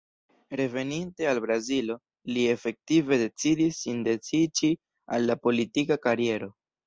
Reveninte al Brazilo, li efektive decidis sin dediĉi al la politika kariero.